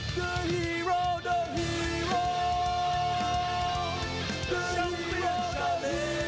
สวัสดีครับ